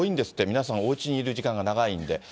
皆さん、おうちにいる時間が長いんで。